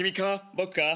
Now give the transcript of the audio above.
僕か？